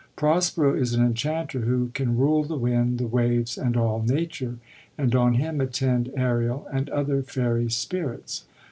Prospero is an enchanter who can rule the wind, the waves, and all nature ; and on him attend Ariel and other fairy spirits.